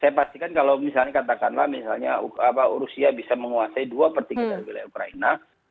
saya bilang dari awal saya pastikan kalau misalnya katakanlah rusia bisa menguasai dua per tiga dari wilayah ukraina